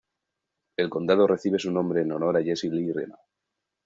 El condado recibe su nombre en honor a Jesse Lee Reno.